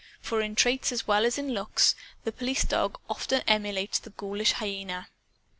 For, in traits as well as in looks, the police dog often emulates the ghoulish hyena.